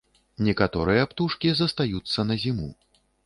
Некаторыя птушкі застаюцца на зіму.